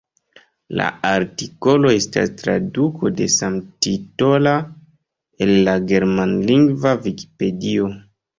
La artikolo estas traduko de samtitola el la germanlingva Vikipedio.